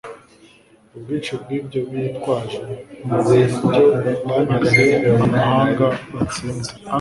ubwinshi bw'ibyo bitwaje, n'ibyo banyaze amahanga batsinze